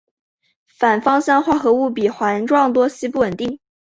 反芳香化合物比环状多烯不稳定。